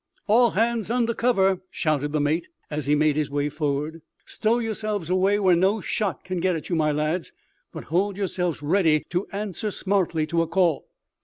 "All hands under cover," shouted the mate, as he made his way forward. "Stow yourselves away where no shot can get at you, my lads, but hold yourselves ready to answer smartly to a call.